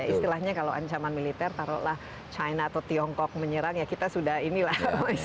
istilahnya kalau ancaman militer taruhlah china atau tiongkok menyerang ya kita sudah ini lah